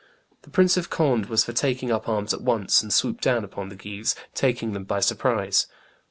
The Prince of Conde was for taking up arms at once and swoop down upon the Guises, taking them by surprise.